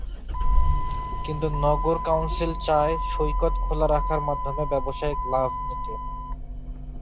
কিন্তু নগর কাউন্সিল চায় সৈকত খোলা রাখার মাধ্যমে ব্যবসায়িক লাভ নিতে।